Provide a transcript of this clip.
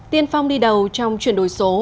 tiên phong đi đầu trong chuyển đổi số